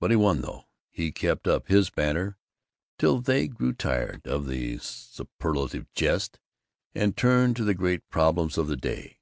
But he won through; he kept up his banter till they grew tired of the superlative jest and turned to the great problems of the day.